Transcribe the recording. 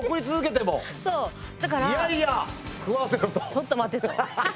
「ちょっと待て」と。